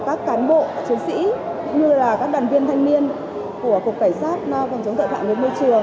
các cán bộ chiến sĩ như các đoàn viên thanh niên của cục cảnh sát công chống tội phạm với môi trường